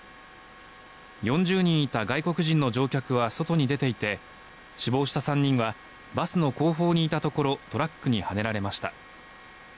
４０人いた外国人の乗客は外に出ていて死亡した３人はバスの後方にいたところトラックにはねられました。